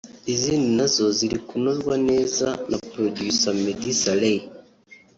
izindi na zo ziri kunozwa neza na Producer Meddy Saleh